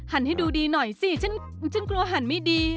ให้ดูดีหน่อยสิฉันกลัวหันไม่ดี